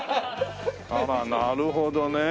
あらなるほどね。